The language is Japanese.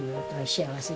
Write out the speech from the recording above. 幸せ？